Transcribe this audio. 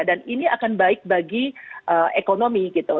dan ini akan baik bagi ekonomi gitu